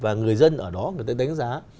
và người dân ở đó người ta đánh giá